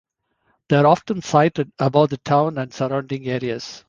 They are often sighted above the town and surrounding areas.